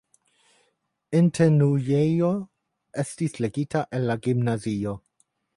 Internulejo estis ligita al la gimnazio.